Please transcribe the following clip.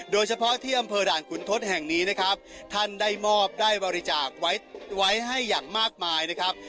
โดยเฉพาะที่อำเภอด่านขุนทศแห่งนี้นะครับท่านได้มอบได้บริจาคไว้ให้อย่างมากมายนะครับ